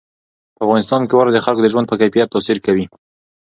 په افغانستان کې واوره د خلکو د ژوند په کیفیت تاثیر کوي.